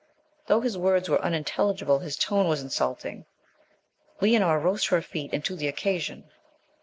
Though his words were unintelligible, his tone was insulting. Leonora rose to her feet, and to the occasion.